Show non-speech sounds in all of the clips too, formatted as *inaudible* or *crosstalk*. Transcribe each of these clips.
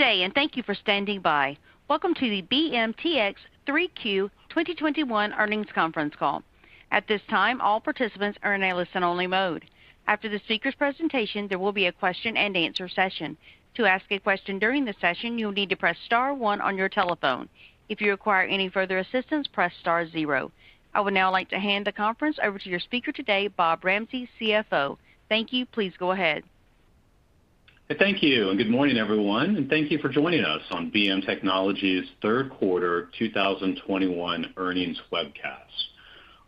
day and thank you for standing by. Welcome to the BMTX 3Q 2021 earnings conference call. At this time, all participants are in a listen-only mode. After the speaker's presentation, there will be a question-and-answer session. To ask a question during the session, you'll need to press star one on your telephone. If you require any further assistance, press star zero. I would now like to hand the conference over to your speaker today, Bob Ramsey, CFO. Thank you. Please go ahead. Thank you, and good morning, everyone. Thank you for joining us on BM Technologies third quarter 2021 earnings webcast.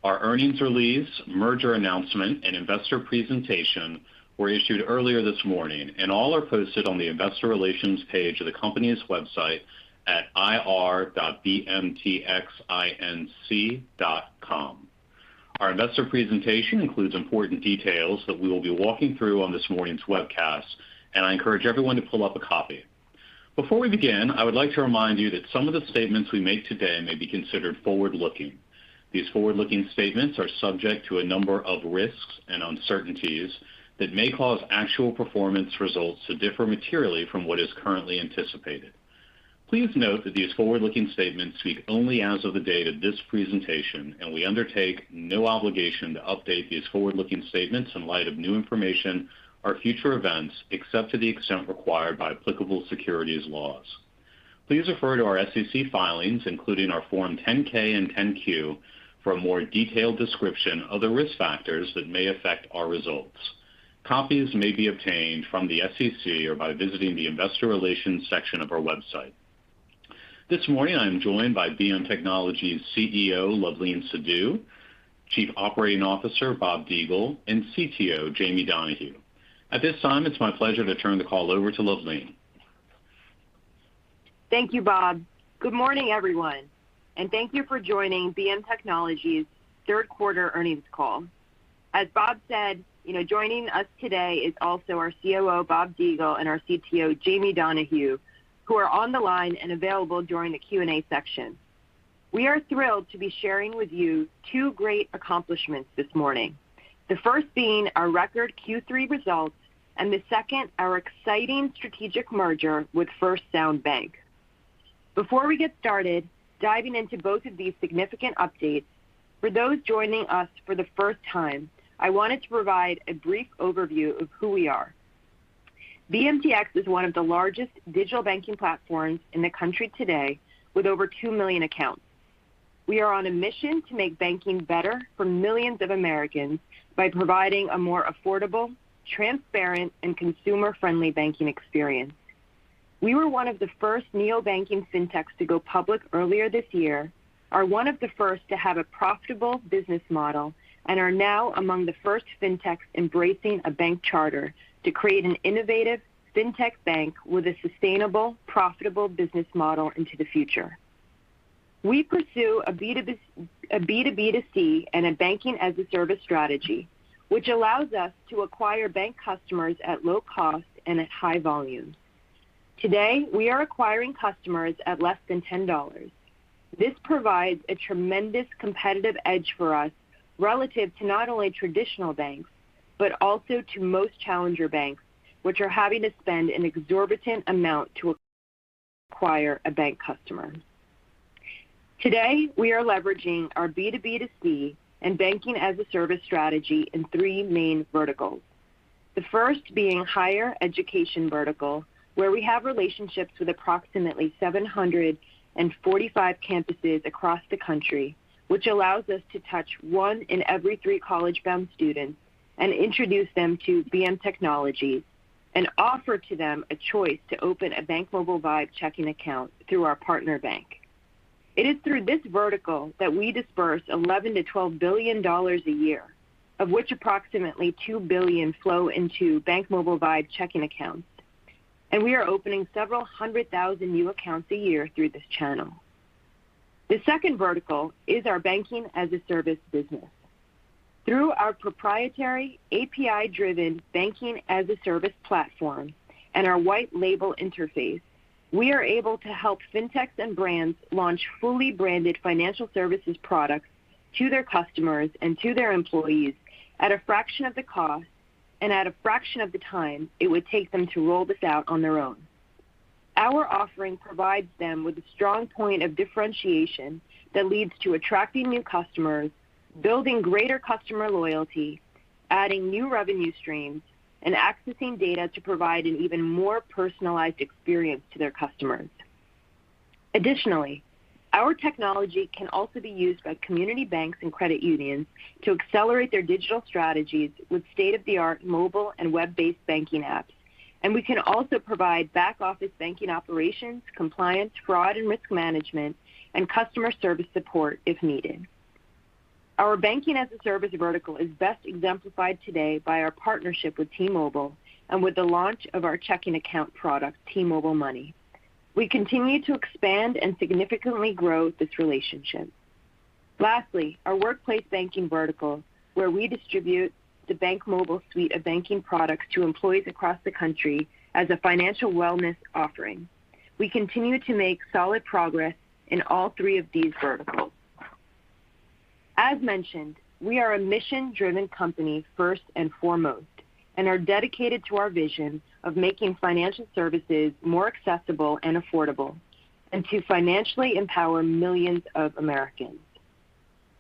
Our earnings release, merger announcement and investor presentation were issued earlier this morning and all are posted on the investor relations page of the company's website at ir.bmtxinc.com. Our investor presentation includes important details that we will be walking through on this morning's webcast, and I encourage everyone to pull up a copy. Before we begin, I would like to remind you that some of the statements we make today may be considered forward-looking. These forward-looking statements are subject to a number of risks and uncertainties that may cause actual performance results to differ materially from what is currently anticipated. Please note that these forward-looking statements speak only as of the date of this presentation, and we undertake no obligation to update these forward-looking statements in light of new information or future events, except to the extent required by applicable securities laws. Please refer to our SEC filings, including our Form 10-K and 10-Q for a more detailed description of the risk factors that may affect our results. Copies may be obtained from the SEC or by visiting the investor relations section of our website. This morning, I'm joined by BM Technologies CEO, Luvleen Sidhu, Chief Operating Officer Bob Diegel, and CTO Jamie Donahue. At this time, it's my pleasure to turn the call over to Luvleen. Thank you, Bob. Good morning, everyone, and thank you for joining BM Technologies third quarter earnings call. As Bob said, you know, joining us today is also our COO, Bob Diegel, and our CTO, Jamie Donahue, who are on the line and available during the Q&A section. We are thrilled to be sharing with you two great accomplishments this morning. The first being our record Q3 results and the second, our exciting strategic merger with First Sound Bank. Before we get started diving into both of these significant updates, for those joining us for the first time, I wanted to provide a brief overview of who we are. BMTX is one of the largest digital banking platforms in the country today with over 2 million accounts. We are on a mission to make banking better for millions of Americans by providing a more affordable, transparent, and consumer-friendly banking experience. We were one of the first neobanking fintechs to go public earlier this year, are one of the first to have a profitable business model, and are now among the first fintechs embracing a bank charter to create an innovative fintech bank with a sustainable, profitable business model into the future. We pursue a B to B to C and a Banking-as-a-Service strategy, which allows us to acquire bank customers at low cost and at high volume. Today, we are acquiring customers at less than $10. This provides a tremendous competitive edge for us relative to not only traditional banks, but also to most challenger banks, which are having to spend an exorbitant amount to acquire a bank customer. Today, we are leveraging our B to B to C and Banking-as-a-Service strategy in three main verticals. The first being higher education vertical, where we have relationships with approximately 745 campuses across the country, which allows us to touch one in every three college-bound students and introduce them to BM Technologies and offer to them a choice to open a BankMobile Vibe checking account through our partner bank. It is through this vertical that we disburse $11 billion-$12 billion a year, of which approximately $2 billion flow into BankMobile Vibe checking accounts. We are opening several hundred thousand new accounts a year through this channel. The second vertical is our Banking-as-a-Service business. Through our proprietary API-driven banking-as-a-service platform and our white label interface, we are able to help fintechs and brands launch fully branded financial services products to their customers and to their employees at a fraction of the cost and at a fraction of the time it would take them to roll this out on their own. Our offering provides them with a strong point of differentiation that leads to attracting new customers, building greater customer loyalty, adding new revenue streams, and accessing data to provide an even more personalized experience to their customers. Additionally, our technology can also be used by community banks and credit unions to accelerate their digital strategies with state-of-the-art mobile and web-based banking apps. We can also provide back-office banking operations, compliance, fraud and risk management, and customer service support if needed. Our Banking-as-a-Service vertical is best exemplified today by our partnership with T-Mobile and with the launch of our checking account product, T-Mobile MONEY. We continue to expand and significantly grow this relationship. Lastly, our workplace banking vertical, where we distribute the BankMobile suite of banking products to employees across the country as a financial wellness offering. We continue to make solid progress in all three of these verticals. As mentioned, we are a mission-driven company first and foremost, and are dedicated to our vision of making financial services more accessible and affordable and to financially empower millions of Americans.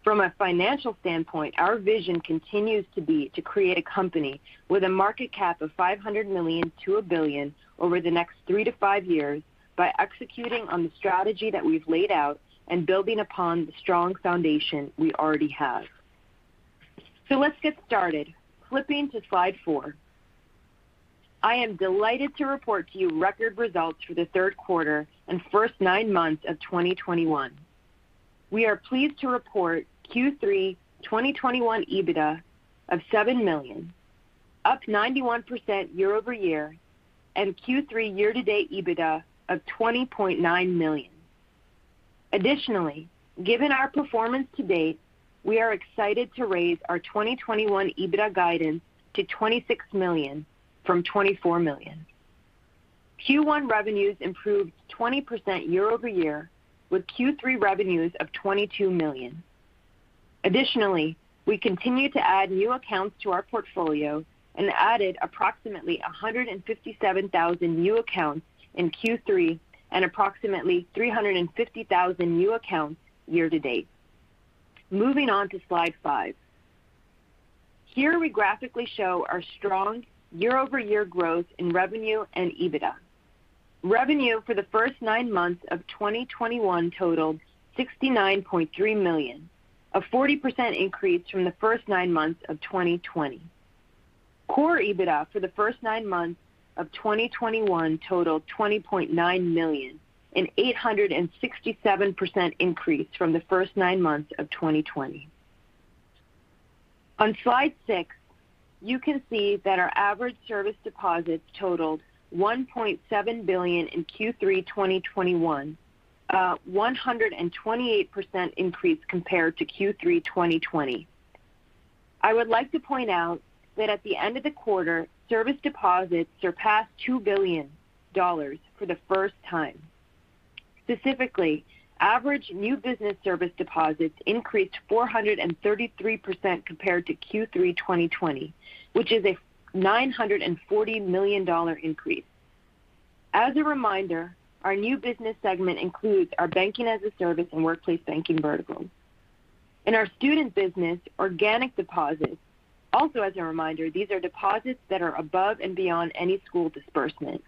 From a financial standpoint, our vision continues to be to create a company with a market cap of $500 million-$1 billion over the next three-five years by executing on the strategy that we've laid out and building upon the strong foundation we already have. Let's get started. Flipping to slide four. I am delighted to report to you record results for the third quarter and first nine months of 2021. We are pleased to report Q3 2021 EBITDA of $7 million, up 91% YoY and Q3 year-to-date EBITDA of $20.9 million. Additionally, given our performance to date, we are excited to raise our 2021 EBITDA guidance to $26 million from $24 million. Q1 revenues improved 20% YoY, with Q3 revenues of $22 million. Additionally, we continue to add new accounts to our portfolio and added approximately 157,000 new accounts in Q3 and approximately 350,000 new accounts year-to-date. Moving on to slide five. Here we graphically show our strong YoY growth in revenue and EBITDA. Revenue for the first nine months of 2021 totaled $69.3 million, a 40% increase from the first nine months of 2020. Core EBITDA for the first nine months of 2021 totaled $20.9 million, an 867% increase from the first nine months of 2020. On Slide six, you can see that our average service deposits totaled $1.7 billion in Q3 2021, a 128% increase compared to Q3 2020. I would like to point out that at the end of the quarter, service deposits surpassed $2 billion for the first time. Specifically, average new business service deposits increased 433% compared to Q3 2020, which is a $940 million increase. As a reminder, our new business segment includes our Banking-as-a-Service and workplace banking vertical. In our student business, organic deposits. Also, as a reminder, these are deposits that are above and beyond any school disbursement.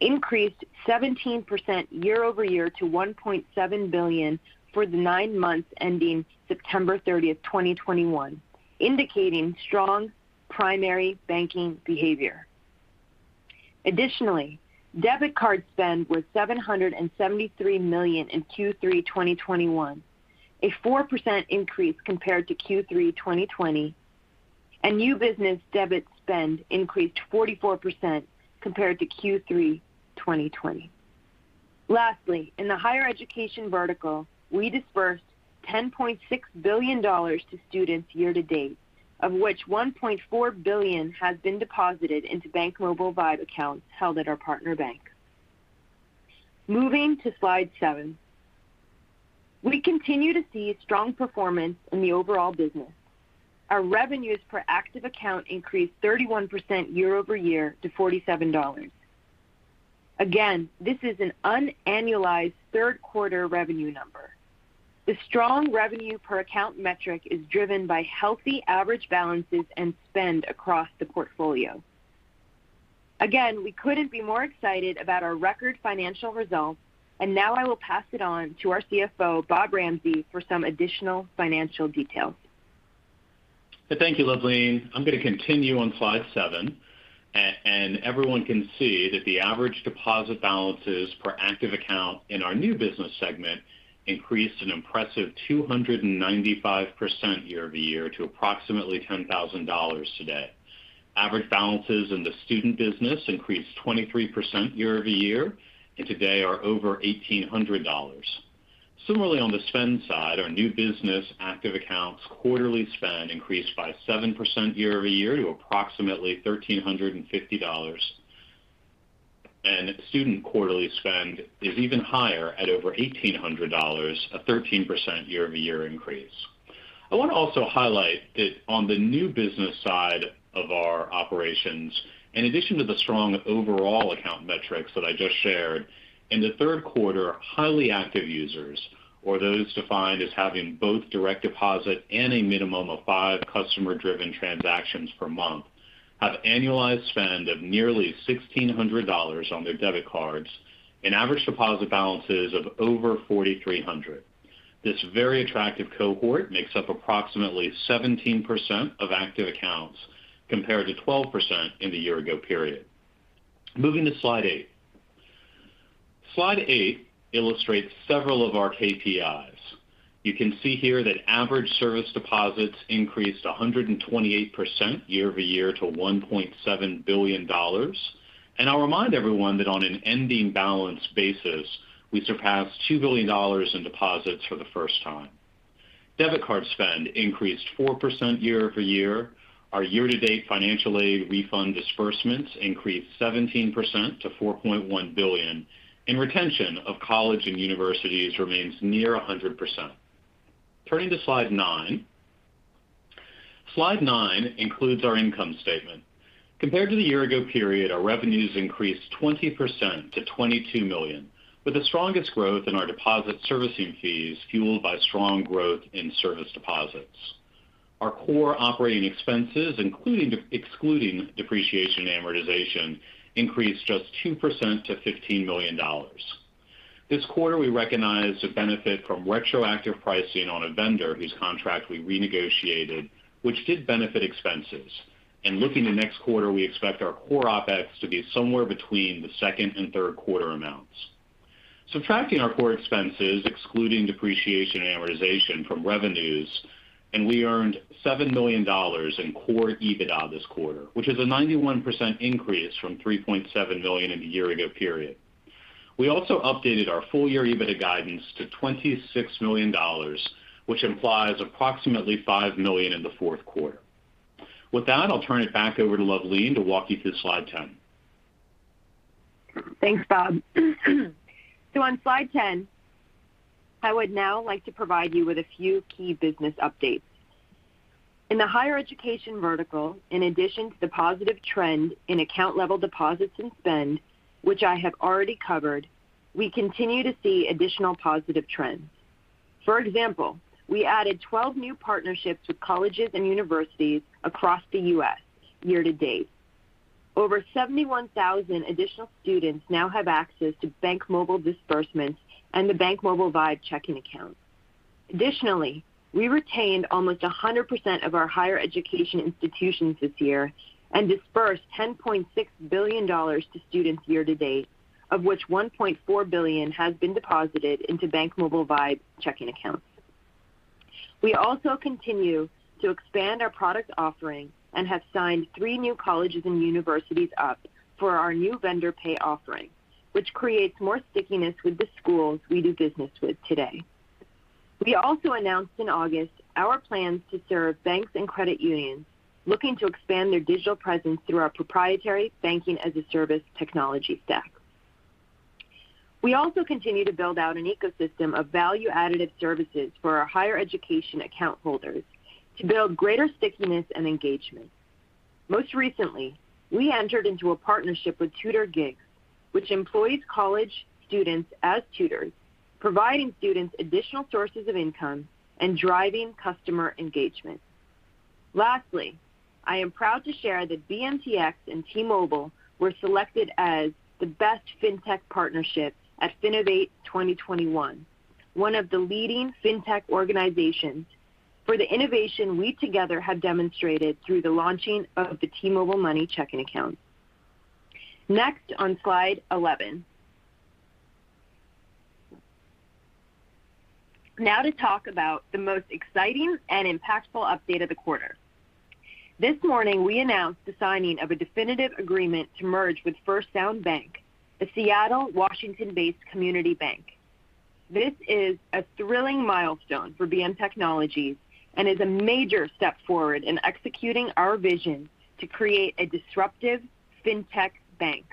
Increased 17% YoY to $1.7 billion for nine months ending September 30th, 2021, indicating strong primary banking behavior. Again, this is an unannualized third quarter revenue number. The strong revenue per account metric is driven by healthy average balances and spend across the portfolio. Again, we couldn't be more excited about our record financial results. Now I will pass it on to our CFO, Bob Ramsey, for some additional financial details. Thank you, Luvleen. I'm going to continue on slide seven and everyone can see that the average deposit balances per active account in our new business segment increased an impressive 295% YoY to approximately $10,000 today. Average balances in the student business increased 23% YoY and today are over $1,800. Similarly, on the spend side, our new business active accounts quarterly spend increased by 7% YoY to approximately $1,350. Student quarterly spend is even higher at over $1,800, a 13% YoY increase. I want to also highlight that on the new business side of our operations, in addition to the strong overall account metrics that I just shared, in the third quarter, highly active users, or those defined as having both direct deposit and a minimum of five customer-driven transactions per month, have annualized spend of nearly $1,600 on their debit cards and average deposit balances of over $4,300. This very attractive cohort makes up approximately 17% of active accounts, compared to 12% in the year ago period. Moving to slide eight. Slide eight illustrates several of our KPIs. You can see here that average service deposits increased 128% YoY to $1.7 billion. I'll remind everyone that on an ending balance basis, we surpassed $2 billion in deposits for the first time. Debit card spend increased 4% YoY. Our year-to-date financial aid refund disbursements increased 17% to $4.1 billion. Retention of colleges and universities remains near 100%. Turning to slide nine. Slide nine includes our income statement. Compared to the year-ago period, our revenues increased 20% to $22 million, with the strongest growth in our deposit servicing fees fueled by strong growth in service deposits. Our core operating expenses, excluding depreciation and amortization, increased just 2% to $15 million. This quarter, we recognized the benefit from retroactive pricing on a vendor whose contract we renegotiated, which did benefit expenses. Looking to next quarter, we expect our core OpEx to be somewhere between the second and third quarter amounts. Subtracting our core expenses, excluding depreciation and amortization from revenues, and we earned $7 million in core EBITDA this quarter, which is a 91% increase from $3.7 million in the year ago period. We also updated our full-year EBITDA guidance to $26 million, which implies approximately $5 million in the fourth quarter. With that, I'll turn it back over to Luvleen to walk you through slide 10. Thanks, Bob. On slide ten, I would now like to provide you with a few key business updates. In the higher education vertical, in addition to the positive trend in account-level deposits and spend, which I have already covered, we continue to see additional positive trends. For example, we added 12 new partnerships with colleges and universities across the U.S. year to date. Over 71,000 additional students now have access to BankMobile disbursements and the BankMobile Vibe checking accounts. Additionally, we retained almost 100% of our higher education institutions this year and disbursed $10.6 billion to students year to date, of which $1.4 billion has been deposited into BankMobile Vibe checking accounts. We also continue to expand our product offering and have signed three new colleges and universities up for our new Vendor Pay offering, which creates more stickiness with the schools we do business with today. We also announced in August our plans to serve banks and credit unions looking to expand their digital presence through our proprietary Banking-as-a-Service technology stack. We also continue to build out an ecosystem of value-additive services for our higher education account holders to build greater stickiness and engagement. Most recently, we entered into a partnership with TutorGigs, which employs college students as tutors, providing students additional sources of income and driving customer engagement. Lastly, I am proud to share that BMTX and T-Mobile were selected as the best fintech partnership at Finovate 2021, one of the leading fintech organizations, for the innovation we together have demonstrated through the launching of the T-Mobile MONEY checking accounts. Next on slide 11. Now to talk about the most exciting and impactful update of the quarter. This morning, we announced the signing of a definitive agreement to merge with First Sound Bank, a Seattle, Washington-based community bank. This is a thrilling milestone for BM Technologies and is a major step forward in executing our vision to create a disruptive fintech bank.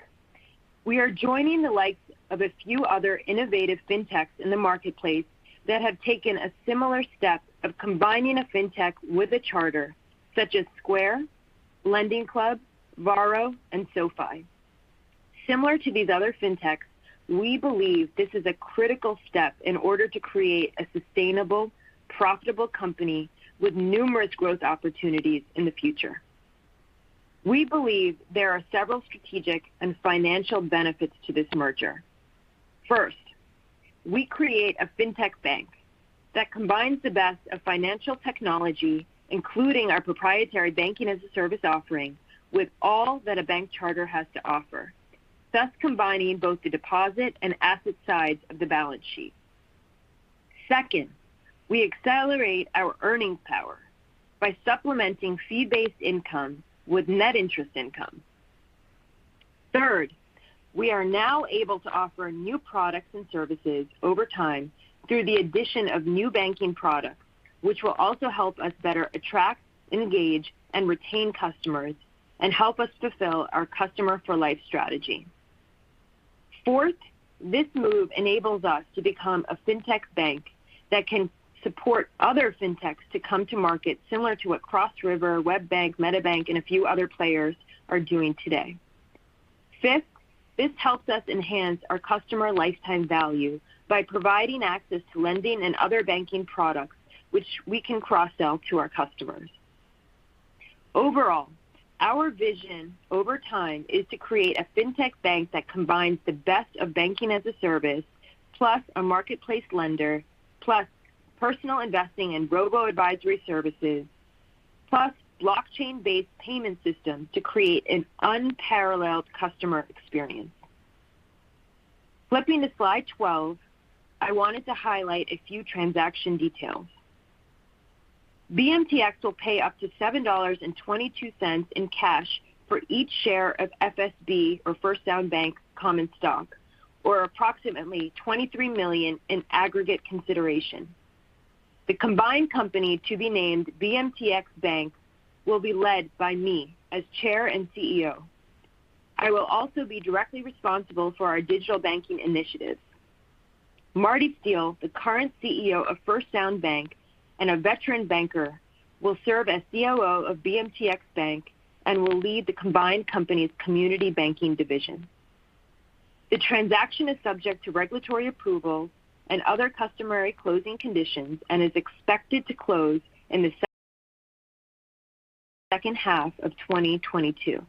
We are joining the likes of a few other innovative fintechs in the marketplace that have taken a similar step of combining a fintech with a charter such as Square, LendingClub, Varo, and SoFi. Similar to these other fintechs, we believe this is a critical step in order to create a sustainable, profitable company with numerous growth opportunities in the future. We believe there are several strategic and financial benefits to this merger. First, we create a fintech bank that combines the best of financial technology, including our proprietary banking-as-a-service offering, with all that a bank charter has to offer, thus combining both the deposit and asset sides of the balance sheet. Second, we accelerate our earnings power by supplementing fee-based income with net interest income. Third, we are now able to offer new products and services over time through the addition of new banking products, which will also help us better attract, engage, and retain customers and help us fulfill our customer for life strategy. Fourth, this move enables us to become a fintech bank that can support other fintechs to come to market similar to what Cross River, WebBank, MetaBank, and a few other players are doing today. Fifth, this helps us enhance our customer lifetime value by providing access to lending and other banking products which we can cross-sell to our customers. Overall, our vision over time is to create a fintech bank that combines the best of Banking-as-a-Service, plus a marketplace lender, plus personal investing in robo-advisory services, plus blockchain-based payment systems to create an unparalleled customer experience. Flipping to slide 12, I wanted to highlight a few transaction details. BMTX will pay up to $7.22 in cash for each share of FSB or First Sound Bank common stock or approximately $23 million in aggregate consideration. The combined company to be named BMTX Bank will be led by me as chair and CEO. I will also be directly responsible for our digital banking initiatives. Marty Steele, the current CEO of First Sound Bank and a veteran banker, will serve as COO of BMTX Bank and will lead the combined company's community banking division. The transaction is subject to regulatory approval and other customary closing conditions and is expected to close in the second half of 2022.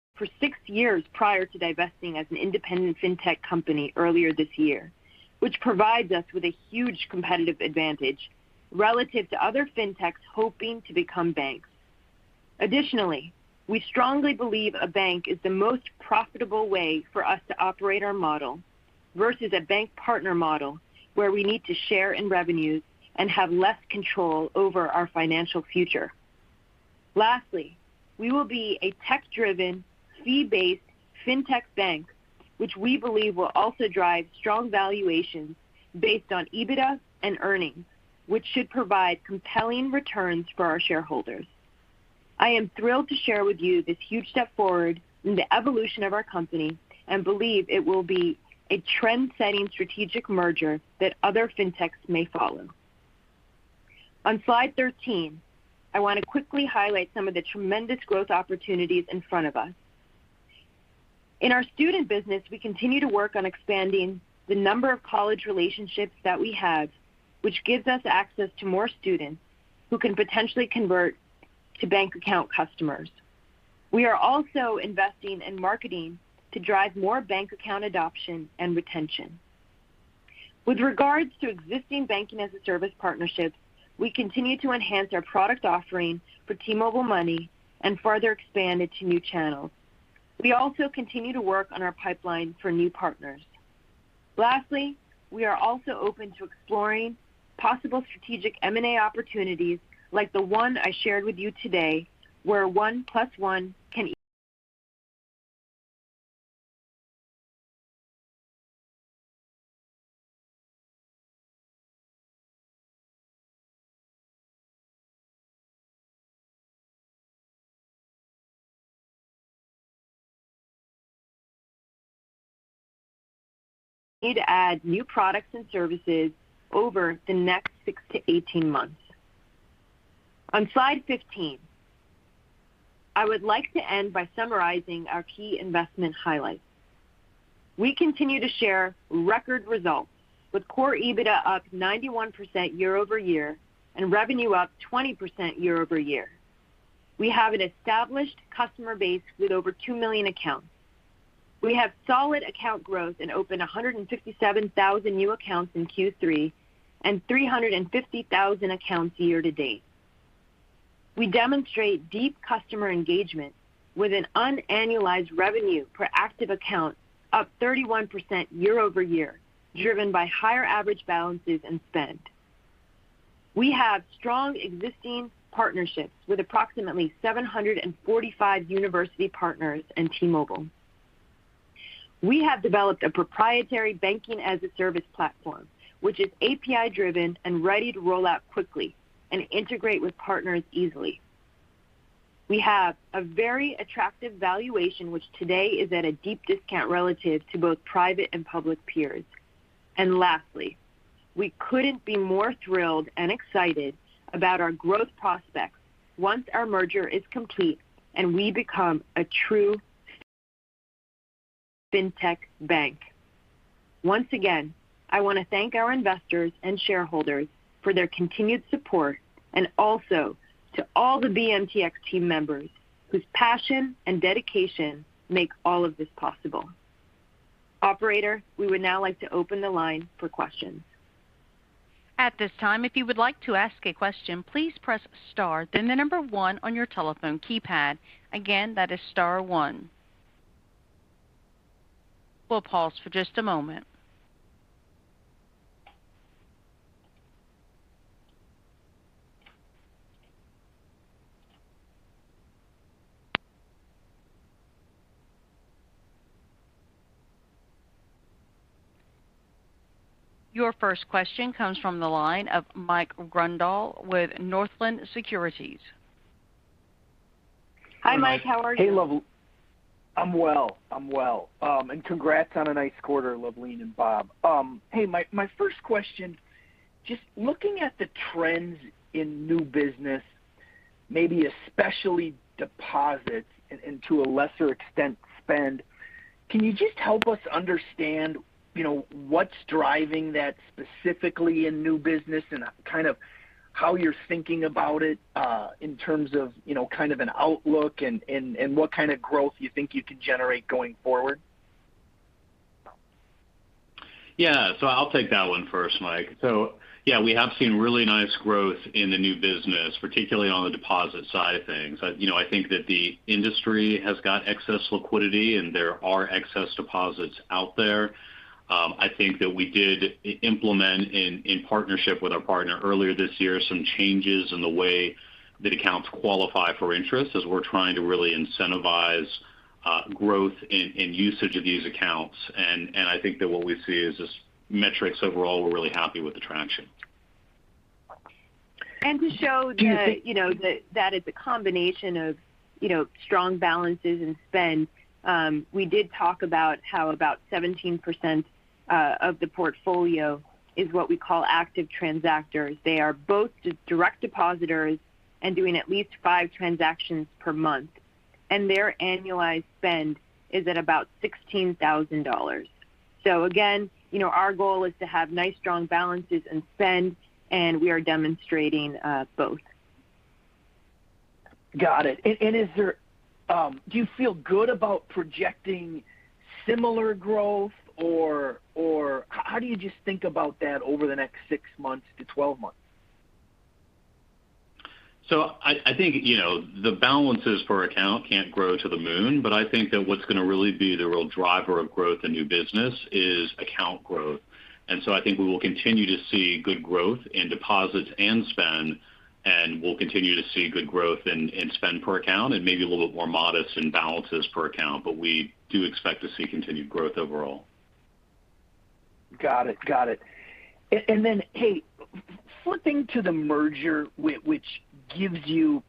We operated for six years prior to divesting as an independent fintech company earlier this year, which provides us with a huge competitive advantage relative to other fintechs hoping to become banks. Additionally, we strongly believe a bank is the most profitable way for us to operate our model versus a bank partner model where we need to share in revenues and have less control over our financial future. Lastly, we will be a tech-driven, fee-based fintech bank, which we believe will also drive strong valuations based on EBITDA and earnings, which should provide compelling returns for our shareholders. I am thrilled to share with you this huge step forward in the evolution of our company and believe it will be a trendsetting strategic merger that other fintechs may follow. On slide 13, I want to quickly highlight some of the tremendous growth opportunities in front of us. In our student business, we continue to work on expanding the number of college relationships that we have, which gives us access to more students who can potentially convert to bank account customers. We are also investing in marketing to drive more bank account adoption and retention. With regards to existing Banking-as-a-Service partnerships, we continue to enhance our product offering for T-Mobile MONEY and further expand it to new channels. We also continue to work on our pipeline for new partners. Lastly, we are also open to exploring possible strategic M&A opportunities like the one I shared with you today. We need to add new products and services over the next six-18 months. On slide 15, I would like to end by summarizing our key investment highlights. We continue to share record results with core EBITDA up 91% YoY and revenue up 20% YoY. We have an established customer base with over 2 million accounts. We have solid account growth and opened 157,000 new accounts in Q3 and 350,000 accounts year to date. We demonstrate deep customer engagement with an annualized revenue per active account up 31% YoY, driven by higher average balances and spend. We have strong existing partnerships with approximately 745 university partners and T-Mobile. We have developed a proprietary Banking-as-a-Service platform, which is API driven and ready to roll out quickly and integrate with partners easily. We have a very attractive valuation, which today is at a deep discount relative to both private and public peers. Lastly, we couldn't be more thrilled and excited about our growth prospects once our merger is complete and we become a true fintech bank. Once again, I want to thank our investors and shareholders for their continued support and also to all the BMTX team members whose passion and dedication make all of this possible. Operator, we would now like to open the line for questions. At this time, if you would like to ask a question, please press star, then the number one on your telephone keypad. Again, that is star one. We'll pause for just a moment. Your first question comes from the line of Mike Grondahl with Northland Securities. Hi, Mike, how are you? Hey, Luvleen. I'm well. Congrats on a nice quarter, Luvleen and Bob. Hey, my first question, just looking at the trends in new business, maybe especially deposits and to a lesser extent spend, can you just help us understand, you know, what's driving that specifically in new business and kind of how you're thinking about it, in terms of, you know, kind of an outlook and what kind of growth you think you can generate going forward? Yeah. I'll take that one first, Mike. Yeah, we have seen really nice growth in the new business, particularly on the deposit side of things. You know, I think that the industry has got excess liquidity, and there are excess deposits out there. I think that we did implement in partnership with our partner earlier this year some changes in the way that accounts qualify for interest as we're trying to really incentivize growth in usage of these accounts. I think that what we see is just metrics overall, we're really happy with the traction. To show that, you know, that is a combination of, you know, strong balances and spend, we did talk about how about 17% of the portfolio is what we call active transactors. They are both direct depositors and doing at least five transactions per month. Their annualized spend is at about $16,000. Again, you know, our goal is to have nice strong balances and spend, and we are demonstrating both. Got it. Do you feel good about projecting similar growth or how do you just think about that over the next six months to 12 months? I think, you know, the balances per account can't grow to the moon, but I think that what's going to really be the real driver of growth and new business is account growth. I think we will continue to see good growth in deposits and spend, and we'll continue to see good growth in spend per account and maybe a little bit more modest in balances per account. We do expect to see continued growth overall. Got it. Hey, flipping to the merger which gives you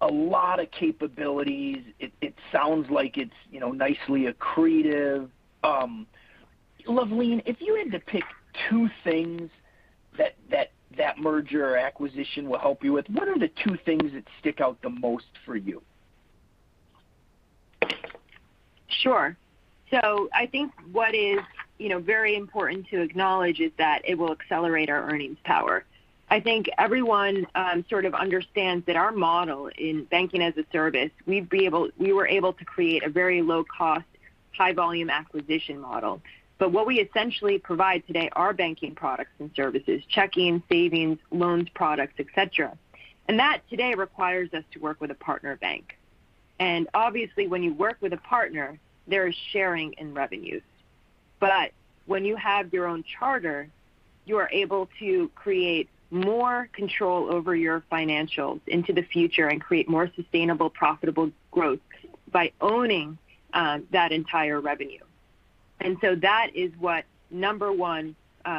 a lot of capabilities. It sounds like it's, you know, nicely accretive. Luvleen, if you had to pick two things that merger or acquisition will help you with, what are the two things that stick out the most for you? Sure. I think what is, you know, very important to acknowledge is that it will accelerate our earnings power. I think everyone sort of understands that our model in Banking-as-a-Service, we were able to create a very low cost, high volume acquisition model. But what we essentially provide today are banking products and services, checking, savings, loans products, et cetera. That today requires us to work with a partner bank. Obviously, when you work with a partner, there is sharing in revenues. But when you have your own charter, you are able to create more control over your financials into the future and create more sustainable, profitable growth by owning that entire revenue. That is what, number one,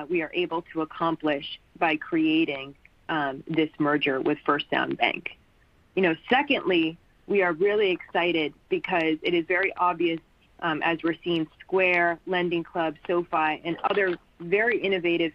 we are able to accomplish by creating this merger with First Sound Bank. You know, secondly, we are really excited because it is very obvious, as we're seeing Square, LendingClub, SoFi, and other very innovative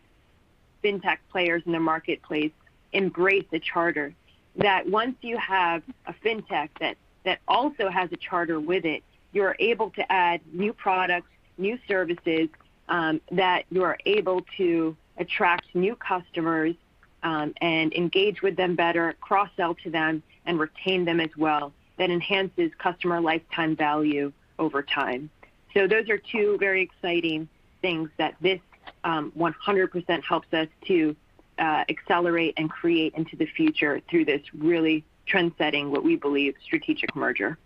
fintech players in the marketplace embrace the charter, that once you have a fintech that also has a charter with it, you're able to add new products, new services, that you are able to attract new customers, and engage with them better, cross-sell to them, and retain them as well. That enhances customer lifetime value over time. Those are two very exciting things that this 100% helps us to accelerate and create into the future through this really trendsetting, what we believe, strategic merger.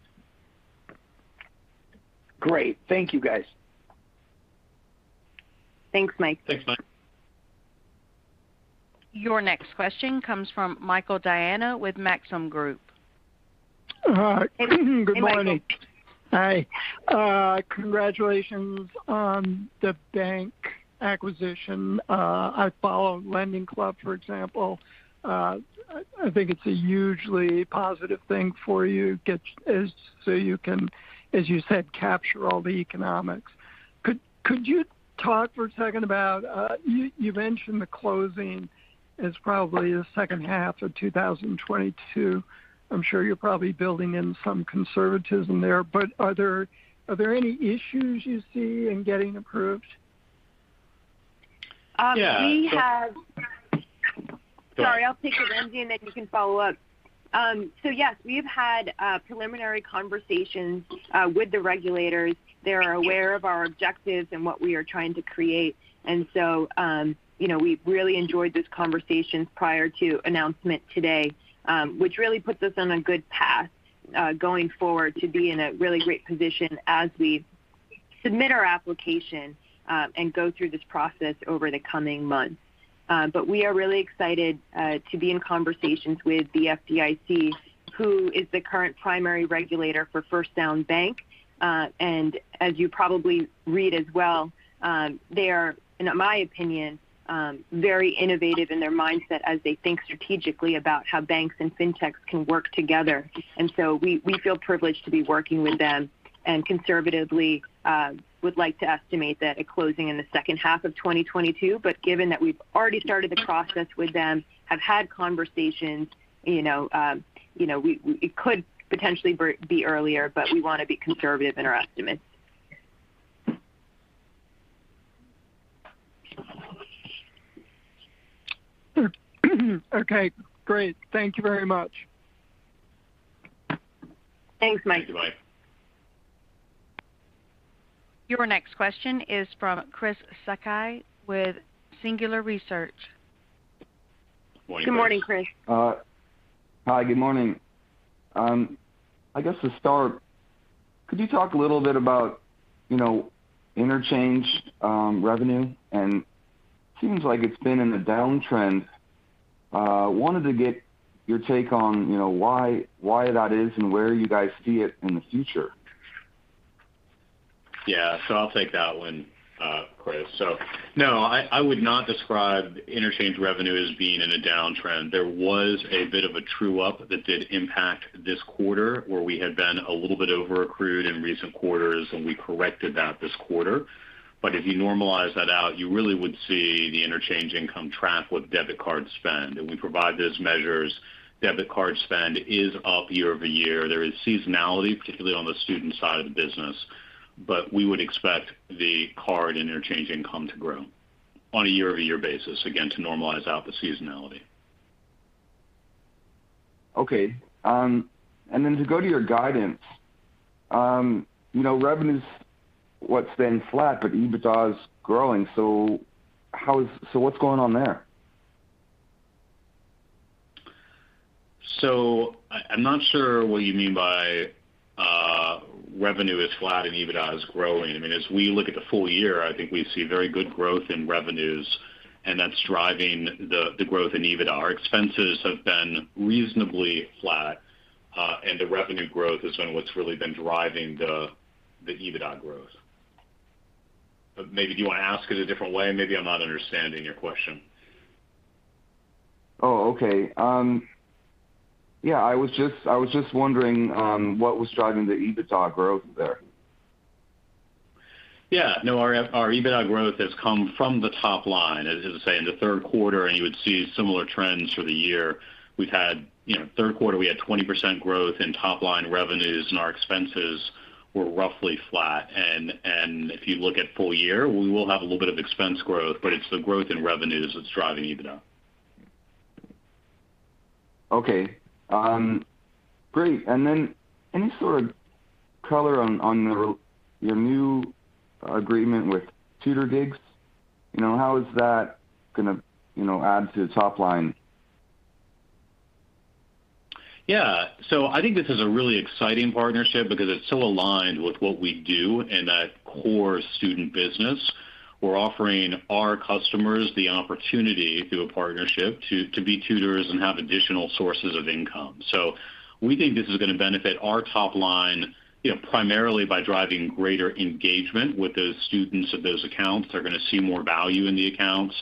Great. Thank you, guys. Thanks, Mike. Thanks, Mike. Your next question comes from Michael Diana with Maxim Group. All right. Hey, Michael. Good morning. Hi. Congratulations on the bank acquisition. I follow LendingClub, for example. I think it's a hugely positive thing for you. So you can, as you said, capture all the economics. Could you talk for a second about you mentioned the closing is probably the second half of 2022. I'm sure you're probably building in some conservatism there, but are there any issues you see in getting approved? Yeah. Um, we have- *crosstalk* Go ahead. Sorry, I'll take it, and then you can follow up. Yes. We've had preliminary conversations with the regulators. They're aware of our objectives and what we are trying to create. You know, we've really enjoyed those conversations prior to announcement today, which really puts us on a good path going forward to be in a really great position as we submit our application and go through this process over the coming months. But we are really excited to be in conversations with the FDIC, who is the current primary regulator for First Sound Bank. And as you probably read as well, they are, in my opinion, very innovative in their mindset as they think strategically about how banks and fintechs can work together. We feel privileged to be working with them and conservatively would like to estimate that a closing in the second half of 2022. Given that we've already started the process with them, have had conversations, you know, it could potentially be earlier, but we want to be conservative in our estimates. Okay, great. Thank you very much. Thanks, Mike. Thank you, Mike. Your next question is from Chris Sakai with Singular Research. Morning, Chris. Good morning, Chris. Hi. Good morning. I guess to start, could you talk a little bit about, you know, interchange revenue? Seems like it's been in a downtrend. I wanted to get your take on, you know, why that is and where you guys see it in the future. Yeah. I'll take that one, Chris. No, I would not describe interchange revenue as being in a downtrend. There was a bit of a true-up that did impact this quarter where we had been a little bit overaccrued in recent quarters, and we corrected that this quarter. If you normalize that out, you really would see the interchange income track with debit card spend. We provide those measures. Debit card spend is up YoY. There is seasonality, particularly on the student side of the business. We would expect the card interchange income to grow on a YoY basis, again, to normalize out the seasonality. Okay, to go to your guidance. You know, revenue's what's been flat, but EBITDA is growing. What's going on there? I'm not sure what you mean by revenue is flat and EBITDA is growing. I mean, as we look at the full year, I think we see very good growth in revenues, and that's driving the growth in EBITDA. Our expenses have been reasonably flat, and the revenue growth has been what's really been driving the EBITDA growth. Maybe do you want to ask it a different way? Maybe I'm not understanding your question. Oh, okay. Yeah, I was just wondering what was driving the EBITDA growth there. Yeah. No, our EBITDA growth has come from the top line. As I say, in the third quarter, and you would see similar trends for the year, we've had, you know, 20% growth in top line revenues and our expenses were roughly flat. If you look at full year, we will have a little bit of expense growth, but it's the growth in revenues that's driving EBITDA. Okay. Great. Any sort of color on your new agreement with TutorGigs? You know, how is that gonna, you know, add to the top line? Yeah. I think this is a really exciting partnership because it's so aligned with what we do in that core student business. We're offering our customers the opportunity through a partnership to be tutors and have additional sources of income. We think this is going to benefit our top line, you know, primarily by driving greater engagement with those students of those accounts. They're going to see more value in the accounts.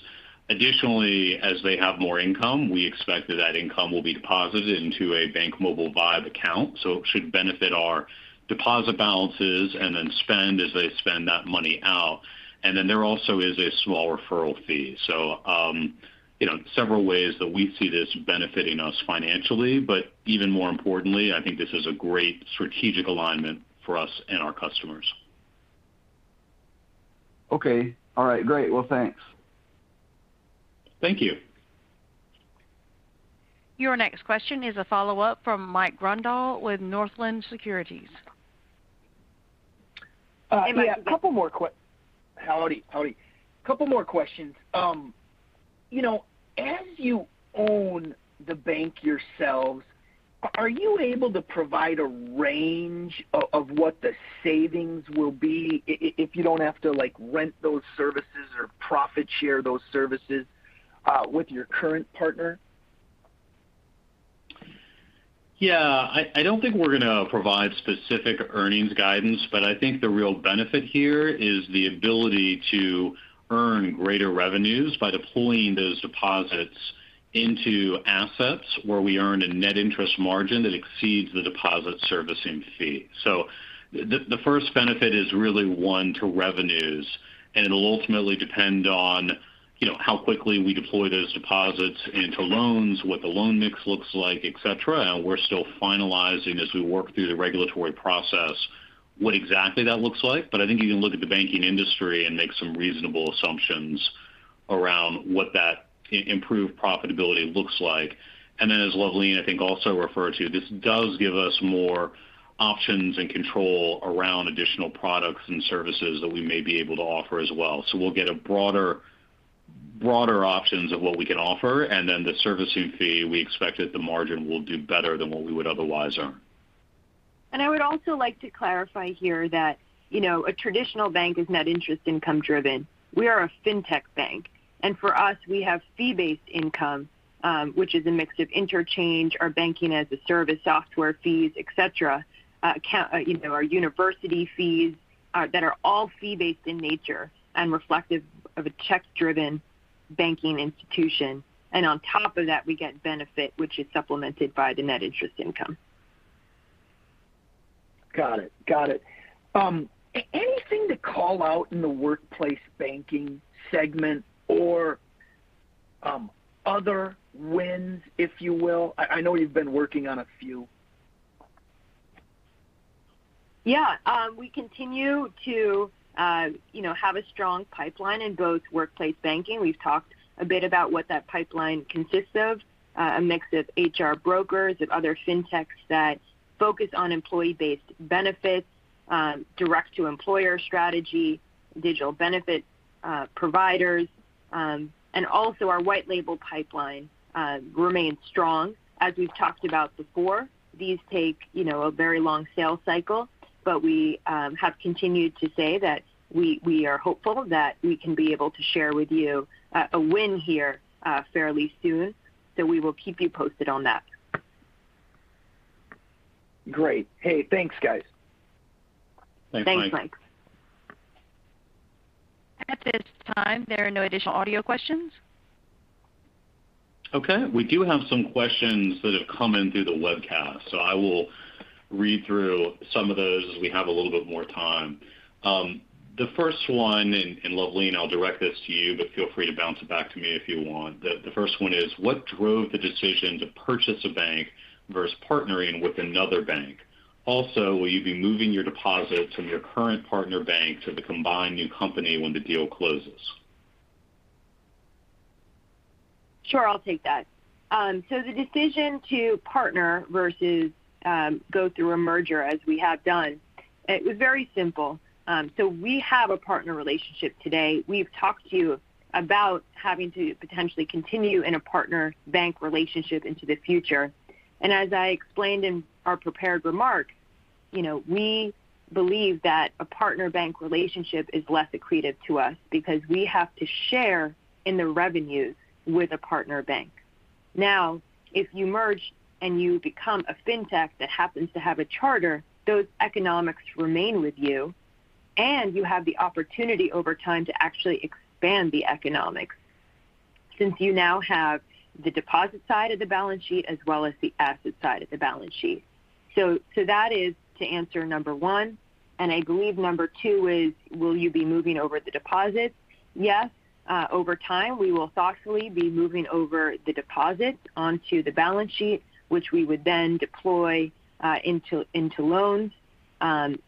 Additionally, as they have more income, we expect that income will be deposited into a BankMobile Vibe account, so it should benefit our deposit balances and then spend as they spend that money out. Then there also is a small referral fee. You know, several ways that we see this benefiting us financially. Even more importantly, I think this is a great strategic alignment for us and our customers. Okay. All right. Great. Well, thanks. Thank you. Your next question is a follow-up from Mike Grondahl with Northland Securities. Yeah. Hey, Mike. Howdy, howdy. A couple more questions. You know, as you own the bank yourselves, are you able to provide a range of what the savings will be if you don't have to, like, rent those services or profit share those services with your current partner? Yeah. I don't think we're gonna provide specific earnings guidance, but I think the real benefit here is the ability to earn greater revenues by deploying those deposits into assets where we earn a net interest margin that exceeds the deposit servicing fee. The first benefit is really one to revenues, and it'll ultimately depend on, you know, how quickly we deploy those deposits into loans, what the loan mix looks like, et cetera. We're still finalizing as we work through the regulatory process what exactly that looks like. I think you can look at the banking industry and make some reasonable assumptions around what that improved profitability looks like. Then as Luvleen, I think, also referred to, this does give us more options and control around additional products and services that we may be able to offer as well. We'll get a broader options of what we can offer. Then the servicing fee, we expect that the margin will do better than what we would otherwise earn. I would also like to clarify here that, you know, a traditional bank is net interest income driven. We are a fintech bank. For us, we have fee-based income, which is a mix of interchange, our Banking-as-a-Service software fees, et cetera, you know, our university fees, that are all fee-based in nature and reflective of a check-driven banking institution. On top of that, we get benefit, which is supplemented by the net interest income. Got it. Got it. Anything to call out in the workplace banking segment or other wins, if you will? I know you've been working on a few. Yeah. We continue to, you know, have a strong pipeline in both workplace banking. We've talked a bit about what that pipeline consists of. A mix of HR brokers and other fintechs that focus on employee-based benefits, direct-to-employer strategy, digital benefit providers, and also our white label pipeline remains strong. As we've talked about before, these take, you know, a very long sales cycle, but we have continued to say that we are hopeful that we can be able to share with you a win here fairly soon. We will keep you posted on that. Great. Hey, thanks, guys. Thanks, Mike. Thanks, Mike. At this time, there are no additional audio questions. Okay. We do have some questions that have come in through the webcast. I will read through some of those as we have a little bit more time. The first one, and Luvleen, I'll direct this to you, but feel free to bounce it back to me if you want. The first one is: What drove the decision to purchase a bank versus partnering with another bank? Also, will you be moving your deposits from your current partner bank to the combined new company when the deal closes? Sure. I'll take that. The decision to partner versus go through a merger as we have done, it was very simple. We have a partner relationship today. We've talked to you about having to potentially continue in a partner bank relationship into the future. As I explained in our prepared remarks, you know, we believe that a partner bank relationship is less accretive to us because we have to share in the revenues with a partner bank. Now, if you merge and you become a fintech that happens to have a charter, those economics remain with you, and you have the opportunity over time to actually expand the economics since you now have the deposit side of the balance sheet as well as the asset side of the balance sheet. So that is to answer number one. I believe number two is, will you be moving over the deposits? Yes. Over time, we will thoughtfully be moving over the deposits onto the balance sheet, which we would then deploy into loans. The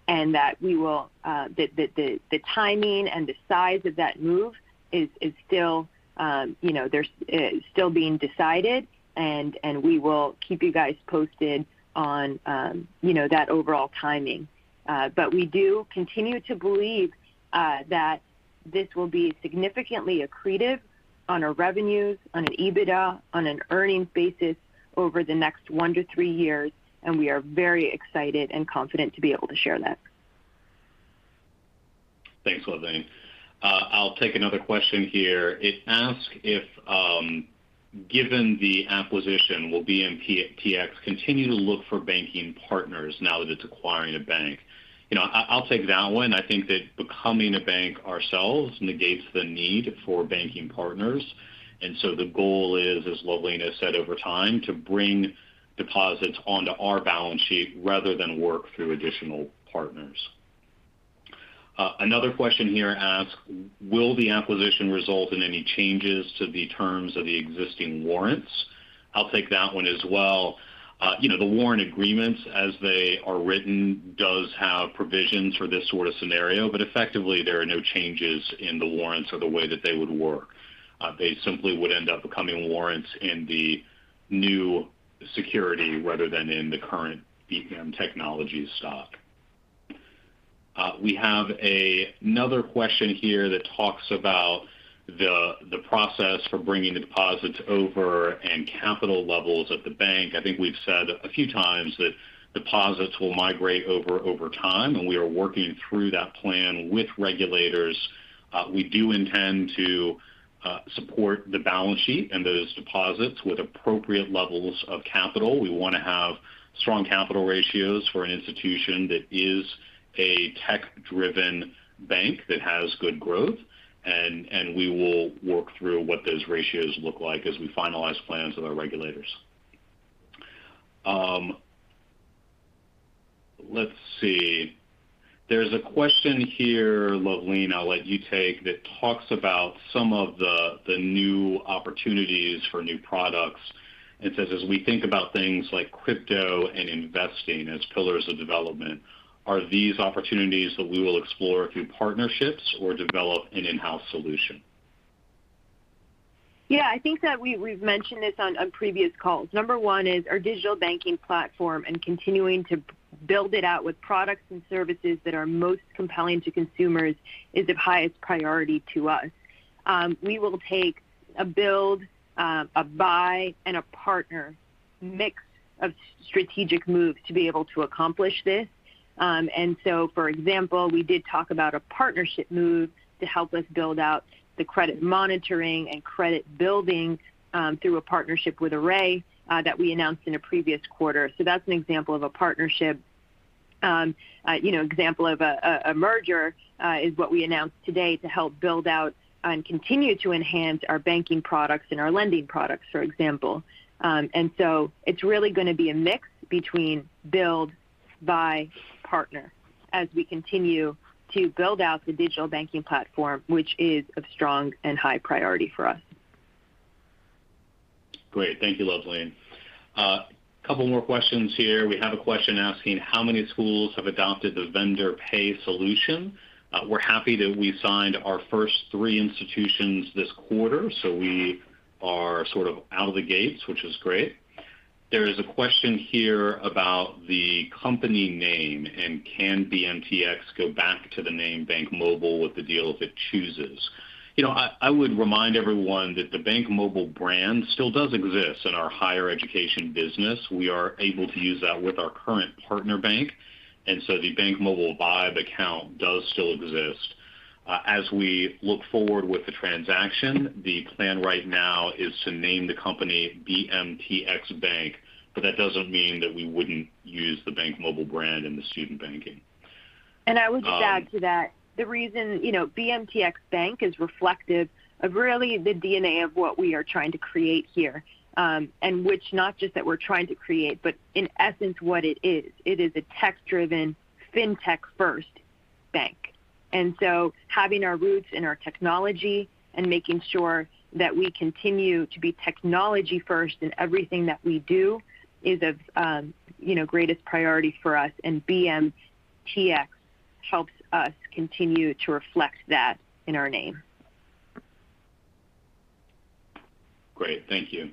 timing and the size of that move is still being decided and we will keep you guys posted on that overall timing. But we do continue to believe that this will be significantly accretive on our revenues, on an EBITDA, on an earnings basis over the next one to three years, and we are very excited and confident to be able to share that. Thanks, Luvleen. I'll take another question here. It asks if, given the acquisition, will BMTX continue to look for banking partners now that it's acquiring a bank? You know, I'll take that one. I think that becoming a bank ourselves negates the need for banking partners. The goal is, as Luvleen has said over time, to bring deposits onto our balance sheet rather than work through additional partners. Another question here asks, will the acquisition result in any changes to the terms of the existing warrants? I'll take that one as well. You know, the warrant agreements as they are written does have provisions for this sort of scenario, but effectively, there are no changes in the warrants or the way that they would work. They simply would end up becoming warrants in the new security rather than in the current BM Technologies stock. We have another question here that talks about the process for bringing the deposits over and capital levels of the bank. I think we've said a few times that deposits will migrate over time, and we are working through that plan with regulators. We do intend to support the balance sheet and those deposits with appropriate levels of capital. We want to have strong capital ratios for an institution that is a tech-driven bank that has good growth, and we will work through what those ratios look like as we finalize plans with our regulators. Let's see. There's a question here, Luvleen, I'll let you take, that talks about some of the new opportunities for new products. It says, as we think about things like crypto and investing as pillars of development, are these opportunities that we will explore through partnerships or develop an in-house solution? Yeah. I think that we've mentioned this on previous calls. Number one is our digital banking platform and continuing to build it out with products and services that are most compelling to consumers is of highest priority to us. We will take a build, a buy and a partner mix of strategic moves to be able to accomplish this. For example, we did talk about a partnership move to help us build out the credit monitoring and credit building through a partnership with Array that we announced in a previous quarter. That's an example of a partnership. You know, example of a merger is what we announced today to help build out and continue to enhance our banking products and our lending products, for example. It's really going to be a mix between build, buy, partner as we continue to build out the digital banking platform, which is of strong and high priority for us. Great. Thank you, Luvleen. A couple more questions here. We have a question asking how many schools have adopted the Vendor Pay solution. We're happy that we signed our first three institutions this quarter, so we are sort of out of the gates, which is great. There is a question here about the company name and can BMTX go back to the name BankMobile with the deal if it chooses. You know, I would remind everyone that the BankMobile brand still does exist in our higher education business. We are able to use that with our current partner bank, and so the BankMobile Vibe account does still exist. As we look forward with the transaction, the plan right now is to name the company BMTX Bank, but that doesn't mean that we wouldn't use the BankMobile brand in the student banking. I would just add to that the reason, you know, BMTX Bank is reflective of really the DNA of what we are trying to create here, which not just that we're trying to create, but in essence what it is. It is a tech-driven, fintech-first bank. Having our roots in our technology and making sure that we continue to be technology first in everything that we do is of, you know, greatest priority for us. BMTX helps us continue to reflect that in our name. Great. Thank you.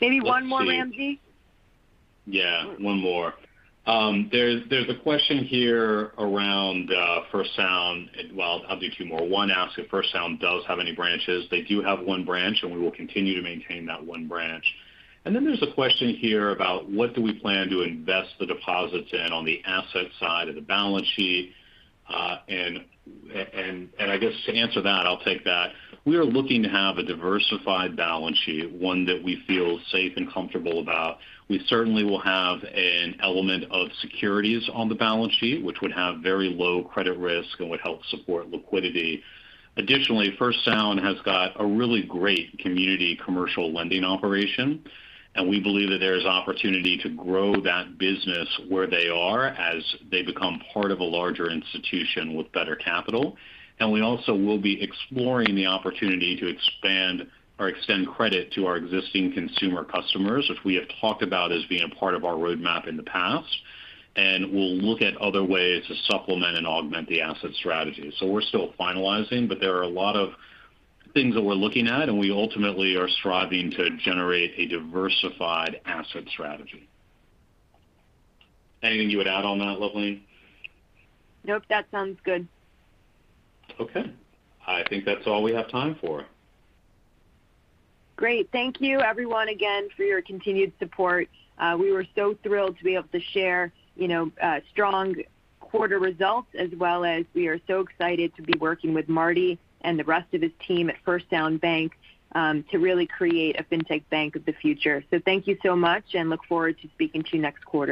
Maybe one more, Ramsey. Yeah, one more. There's a question here around First Sound. Well, I'll do two more. One asks if First Sound does have any branches. They do have one branch, and we will continue to maintain that one branch. There's a question here about what do we plan to invest the deposits in on the asset side of the balance sheet? I guess to answer that, I'll take that. We are looking to have a diversified balance sheet, one that we feel safe and comfortable about. We certainly will have an element of securities on the balance sheet, which would have very low credit risk and would help support liquidity. Additionally, First Sound has got a really great community commercial lending operation, and we believe that there is opportunity to grow that business where they are as they become part of a larger institution with better capital. We also will be exploring the opportunity to expand or extend credit to our existing consumer customers, which we have talked about as being a part of our roadmap in the past. We'll look at other ways to supplement and augment the asset strategy. We're still finalizing, but there are a lot of things that we're looking at, and we ultimately are striving to generate a diversified asset strategy. Anything you would add on that, Luvleen? Nope. That sounds good. Okay. I think that's all we have time for. Great. Thank you everyone again for your continued support. We were so thrilled to be able to share, you know, strong quarter results as well as we are so excited to be working with Marty and the rest of his team at First Sound Bank, to really create a fintech bank of the future. Thank you so much and look forward to speaking to you next quarter.